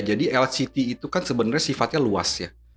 jadi lctt itu kan sebenarnya sifatnya luas ya